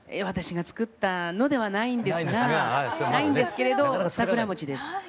私が作ったのではないんですがないんですけれど桜餅です。